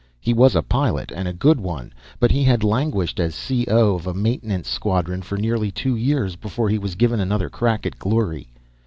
He was a pilot, and a good one, but he had languished as C.O. of a maintenance squadron for nearly two years before he was given another crack at glory.